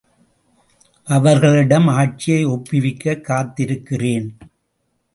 அவர்களிடம் ஆட்சியை ஒப்புவிக்கக் காத்திருக்கிறேன்.